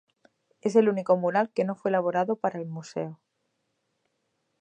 Es el único mural que no fue elaborado para el museo.